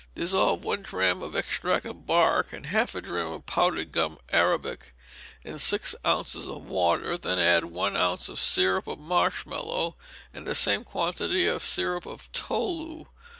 Dissolve one drachm of extract of bark, and half a drachm of powdered gum arabic, in six ounces of water, and then add one ounce of syrup of marshmallow, and the same quantity of syrup of tolu.